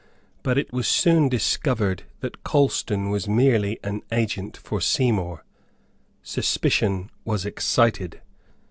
But it was soon discovered that Colston was merely an agent for Seymour. Suspicion was excited.